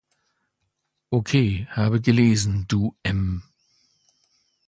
Ok, habe gelesen, du m